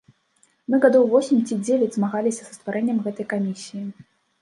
Мы гадоў восем ці дзевяць змагаліся за стварэнне гэтай камісіі.